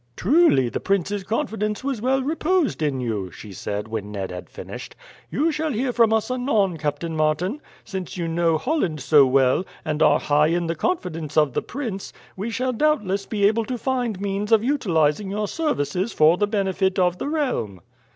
"Truly the prince's confidence was well reposed in you," she said, when Ned had finished. "You shall hear from us anon, Captain Martin. Since you know Holland so well, and are high in the confidence of the prince, we shall doubtless be able to find means of utilizing your services for the benefit of the realm."